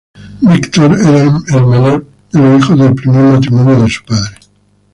Víktor era el menor de los hijos del primer matrimonio de su padre.